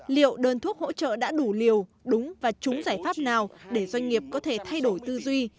liệu đơn thuốc hỗ trợ đã đủ liều đúng và chúng giải pháp nào để doanh nghiệp có thể thay đổi tư duy